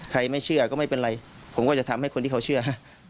ไม่เชื่อก็ไม่เป็นไรผมก็จะทำให้คนที่เขาเชื่อ